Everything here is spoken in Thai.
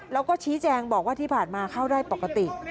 แล้วก็ชี้แจงบอกว่าที่ผ่านมาเข้าได้ปกติ